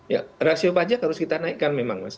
ya rasio pajak harus kita naikkan